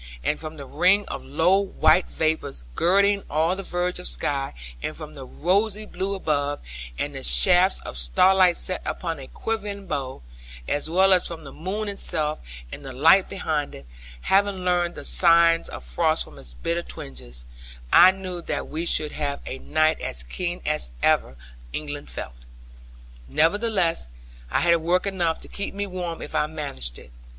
And from the ring of low white vapour girding all the verge of sky, and from the rosy blue above, and the shafts of starlight set upon a quivering bow, as well as from the moon itself and the light behind it, having learned the signs of frost from its bitter twinges, I knew that we should have a night as keen as ever England felt. Nevertheless, I had work enough to keep me warm if I managed it.